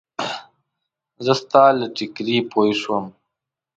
زه ستا له ټیکري پوی شوم.